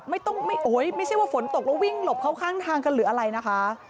ไม่ต้องไม่โอ๊ยไม่ใช่ว่าฝนตกแล้ววิ่งหลบเข้าข้างทางกันหรืออะไรนะคะ